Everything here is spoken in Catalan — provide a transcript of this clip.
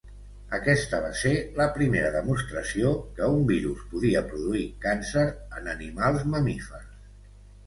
Aquesta va ser la primera demostració que un virus podia produir càncer en animals mamífers.